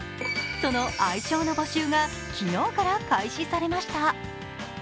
その愛称の募集が昨日から開始されました。